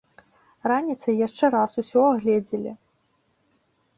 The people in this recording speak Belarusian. Раніцай яшчэ раз усё агледзелі.